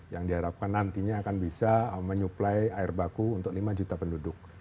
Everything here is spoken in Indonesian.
yang diharapkan nantinya akan bisa menyuplai air baku untuk lima juta penduduk